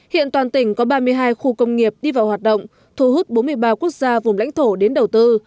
hiện toàn tỉnh có ba mươi hai khu công nghiệp đi vào hoạt động thu hút bốn mươi ba quốc gia vùng lãnh thổ đến đầu tư